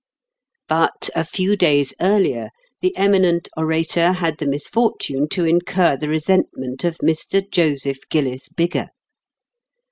But a few days earlier the eminent orator had the misfortune to incur the resentment of Mr. Joseph Gillis Biggar.